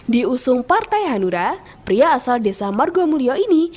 di usung partai hanura pria asal desa margomulio ini